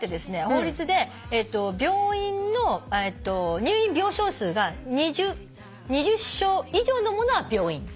法律で病院の入院病床数が２０床以上のものは病院。